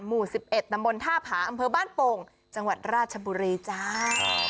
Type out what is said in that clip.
หมู่๑๑ตำบลท่าผาอำเภอบ้านโป่งจังหวัดราชบุรีจ้า